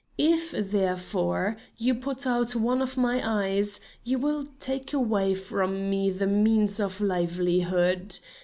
If, therefore, you put out one of my eyes you will take away from me the means of livelihood.